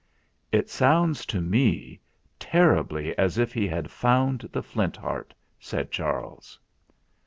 "It sounds to me terribly as if he had found the Flint Heart," said Charles.